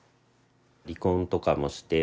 離婚とかもして。